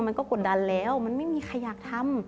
กดดันแล้วมันไม่มีใครอยากทำ